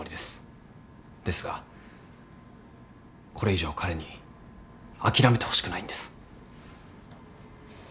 ですがこれ以上彼に諦めてほしくないんです。